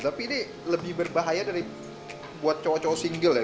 tapi ini lebih berbahaya dari buat cowok cowok single ya